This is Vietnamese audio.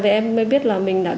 thì em mới biết là mình đã bị lừa